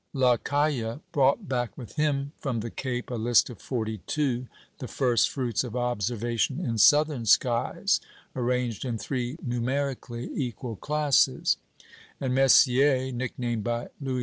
Lacaille brought back with him from the Cape a list of forty two the first fruits of observation in Southern skies arranged in three numerically equal classes; and Messier (nicknamed by Louis XV.